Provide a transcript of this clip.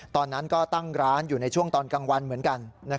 ตอนนั้นก็ตั้งร้านอยู่ในช่วงตอนกลางวันเหมือนกัน